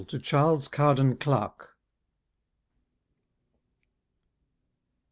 TO CHARLES COWDEN CLARKE.